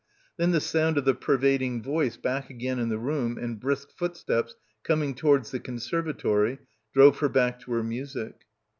Then the sound of the pervading voice back again in the room and brisk footsteps coming to wards the conservatory drove her back to her music.